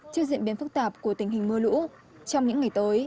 trước diễn biến phức tạp của tình hình mưa lũ trong những ngày tới